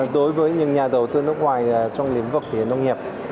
đối với những nhà đầu tư nước ngoài trong lĩnh vực nông nghiệp